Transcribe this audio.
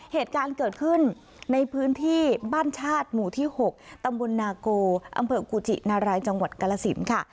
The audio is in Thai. เหตุการณ์เกิดขึ้นในพื้นที่บ้านชาติหมู่ที่๖ตำบลนาโกอำเภอกุจินารายจังหวัดกาลสินค่ะ